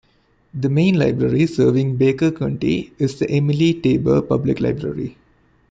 The main library serving Baker County is the Emily Taber Public Library.